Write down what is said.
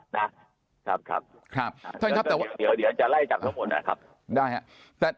เดี๋ยวจะไล่จับทั้งหมดนะครับ